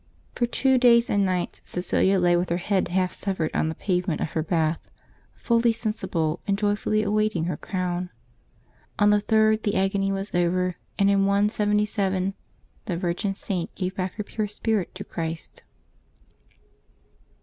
For two days and nights Cecilia lay with her head half severed on the pavement of her bath, fully sensible, and joyfully awaiting her crown; on the third the agony was over, and in 177 the virgin Saint gave back her pure spirit to Christ.